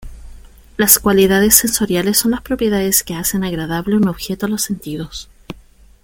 Las cualidades sensoriales son las propiedades que hacen agradable un objeto a los sentidos.